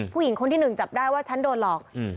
ผู้หญิงคนที่หนึ่งจับได้ว่าฉันโดนหลอก